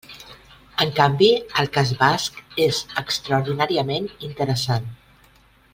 En canvi, el cas basc és extraordinàriament interessant.